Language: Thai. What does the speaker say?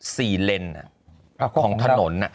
สี่เลนส์ของถนน